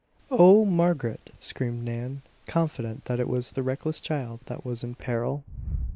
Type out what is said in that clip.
"Oh, Margaret!" screamed Nan, confident that it was the reckless child that was in peril.